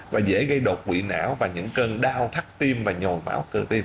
và dễ gây đột quỵ não và những cơn đau thắt tim và nhồi máu cơ tim